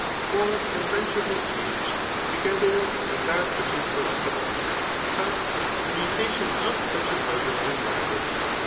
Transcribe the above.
For their fiiendship is changed together with that which is delec table. But the mutation of such a pleasure is r^id.